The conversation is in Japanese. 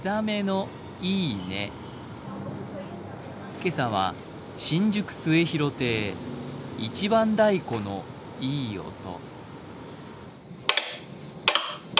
今朝は新宿末廣亭一番太鼓のいい音。